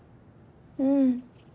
うん。